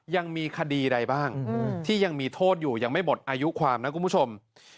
ยังมีคดีใดบ้างที่ยังมีโทษอยู่ยังไม่หมดอายุความนะคุณผู้ชม